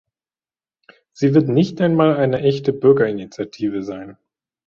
Sie wird nicht einmal eine echte Bürgerinitiative sein.